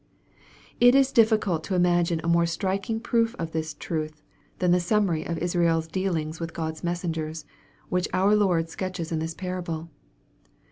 It is difficult to imagine a more striking proof of this truth, than the summary of Israel's dealings with God's messengers, which our Lord sketches in this parable.